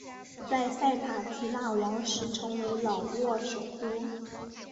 在塞塔提腊王时成为老挝首都。